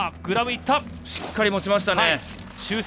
グラブしっかり持ちましたね。